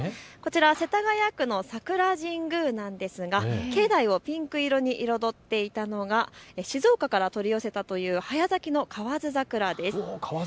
こちら世田谷区の桜神宮なんですが、境内をピンク色に彩っていたのが静岡から取り寄せたという早咲きの河津桜です。